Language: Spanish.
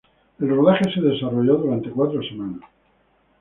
El rodaje se desarrolló durante cuatro semanas.